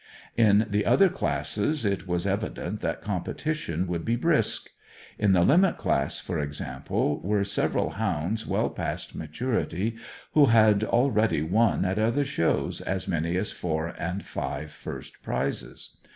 In the other classes it was evident that competition would be brisk. In the Limit class, for example, were several hounds well past maturity who had already won at other shows as many as four and five first prizes.